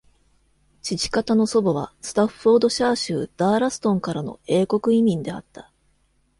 父方の祖母はスタッフォードシャー州ダーラストンからの英国移民であった。